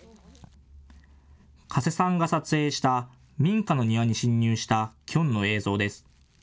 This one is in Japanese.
加瀬さんが撮影した民家の庭に侵入したキョンの映像です。